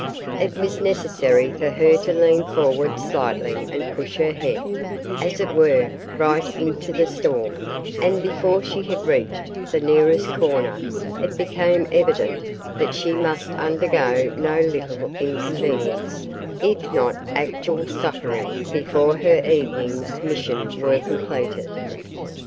It was necessary for her to lean forward slightly and push her head, as it were, right into the storm, and before she had reached the nearest corner it became evident that she must undergo no little inconvenience, if not actual suffering, before her evening's mission were completed.